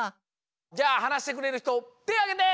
じゃあはなしてくれるひとてあげて！